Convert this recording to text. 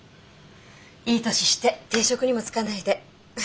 いい年して定職にも就かないで。